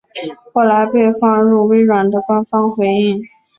后来被放入微软的官方回应。